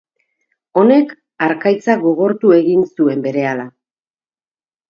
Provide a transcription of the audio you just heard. Honek harkaitza gotortu egin zuen berehala.